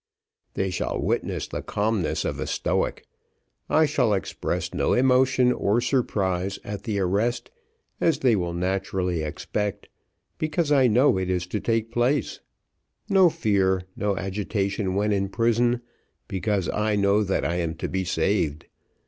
They shall witness the calmness of a stoic; I shall express no emotion or surprise at the arrest, as they will naturally expect, because I know it is to take place no fear no agitation when in prison, because I know that I am to be saved.